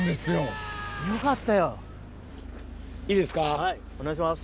はいお願いします。